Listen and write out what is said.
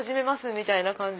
みたいな感じ。